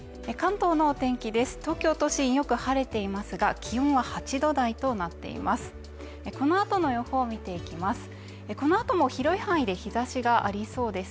東京都心よく晴れていますが気温は８度台となっています